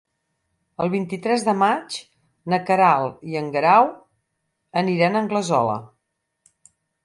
El vint-i-tres de maig na Queralt i en Guerau aniran a Anglesola.